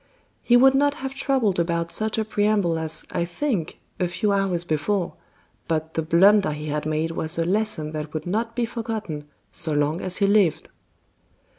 He would not have troubled about such a preamble as "I think" a few hours before, but the blunder he had made was a lesson that would not be forgotten so long as he lived.